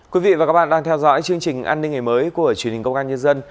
quý vị và các bạn đang theo dõi chương trình an ninh ngày mới của truyền hình công an nhân dân